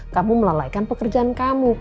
kamu melelaikan pekerjaan kamu